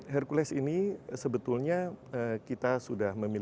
herkules ini sebetulnya kita sudah mengambil